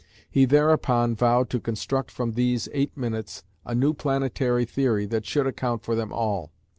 He thereupon vowed to construct from these eight minutes a new planetary theory that should account for them all.